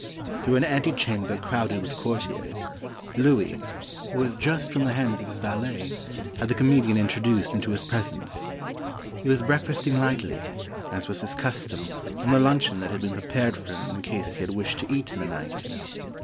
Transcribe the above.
Through an ante chamber crowded with courtiers, Louis, who was just from the hands of his valet, had the comedian introduced into his presence. He was breakfasting lightly, as was his custom, on the luncheon that had been prepared for him in case he had wished to eat in the night.